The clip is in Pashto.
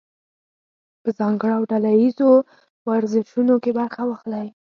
په ځانګړو او ډله ییزو ورزشونو کې برخه واخلئ.